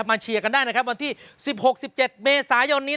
มาเชียงกันได้ครับวันที่๑๖๑๗เมศายน